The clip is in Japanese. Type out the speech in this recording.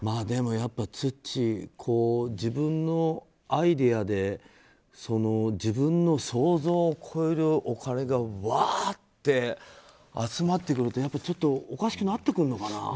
でもツッチー自分のアイデアで自分の想像を超えるお金がうわーって集まってくるとやっぱりちょっとおかしくなってくるのかな。